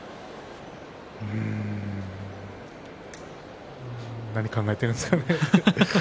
うーん何考えているんですかね。